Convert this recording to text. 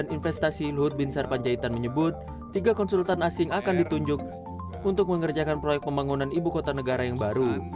kepala luhut bin sarpanjaitan menyebut tiga konsultan asing akan ditunjuk untuk mengerjakan proyek pembangunan ibu kota negara yang baru